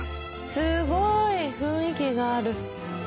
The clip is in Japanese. すごい雰囲気がある。